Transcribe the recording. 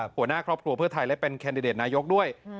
หัวหน้าครอบครัวเพื่อไทยและเป็นแคนดิเดตนายกด้วย